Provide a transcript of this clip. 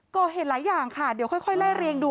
ก่อเหตุหลายอย่างค่ะเดี๋ยวค่อยไล่เรียงดู